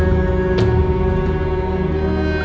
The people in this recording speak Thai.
ที่สุดท้าย